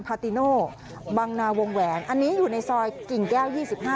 พาติโน่บังนาวงแหวนอันนี้อยู่ในซอยกิ่งแก้ว๒๕